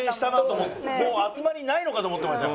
もう集まりないのかと思ってましたよ。